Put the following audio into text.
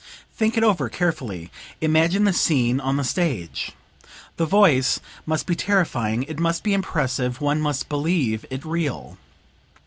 Think it over, carefully. Imagine the scene on the stage. The voice must be terrifying it must be impressive, one must believe it real.